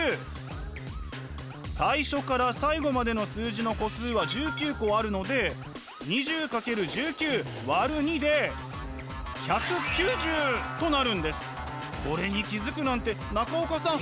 最初から最後までの数字の個数は１９個あるので２０×１９÷２でこれに気付くなんて中岡さん